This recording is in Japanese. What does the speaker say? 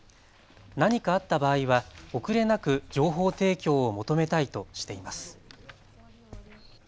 何かあった場合は遅れなく情報提供を求めたいとしています。